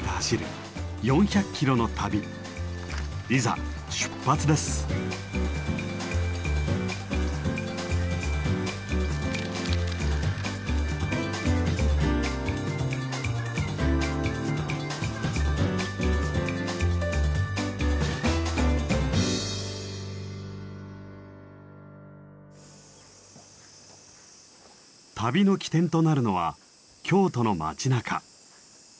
旅の起点となるのは京都の街なか。